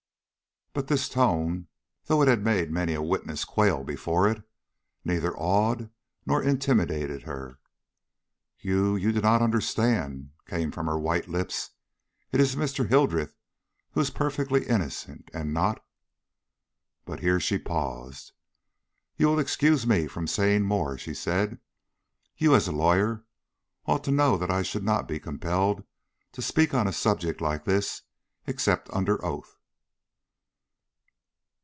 But this tone, though it had made many a witness quail before it, neither awed nor intimidated her. "You you do not understand," came from her white lips. "It is Mr. Hildreth who is perfectly innocent, and not " But here she paused. "You will excuse me from saying more," she said. "You, as a lawyer, ought to know that I should not be compelled to speak on a subject like this except under oath."